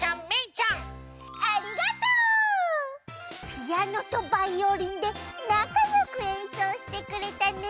ピアノとバイオリンでなかよくえんそうしてくれたね！